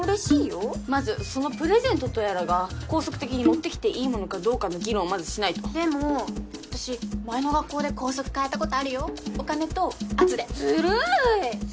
まずそのプレゼントとやらが校則的に持ってきていいものかどうかの議論をまずしないと校則変えたことあるよお金と圧でズルーい